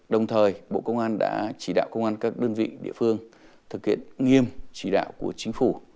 đồng thời bộ công an đã chỉ đạo công an các đơn vị địa phương thực hiện nghiêm chỉ đạo của chính phủ